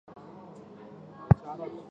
寒食散的起源不明。